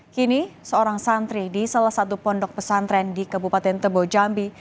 kini seorang santri di salah satu pondok pesantren di kebupaten tebojambi